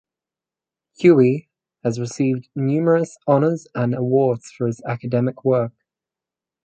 Huey has received numerous honors and awards for his academic work.